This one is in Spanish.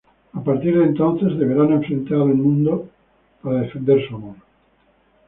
A partir de entonces deberán enfrentar el mundo para defender su amor.